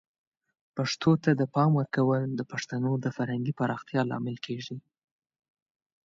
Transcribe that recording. پښتو ته د پام ورکول د پښتنو د فرهنګي پراختیا لامل کیږي.